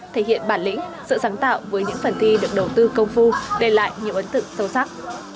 thể hiện bản lĩnh sự sáng tạo với những phần thi được đầu tư công phu để lại nhiều ấn tượng sâu sắc